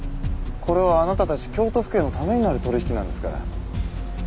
これはあなたたち京都府警のためになる取引なんですから。